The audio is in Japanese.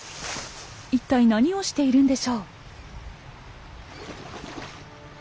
いったい何をしているんでしょう？